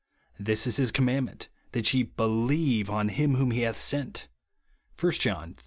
"This is his commandment, that ye believe on him whom he hath sent," (1 John iii.